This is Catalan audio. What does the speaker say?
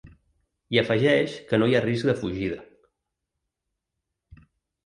I afegeix que no hi ha risc de fugida.